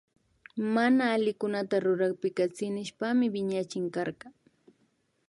Mana allikunata rurakpika tsinishpami wiñachinkarka